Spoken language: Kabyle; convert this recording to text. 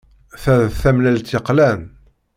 Ta d tamellalt yeqlan.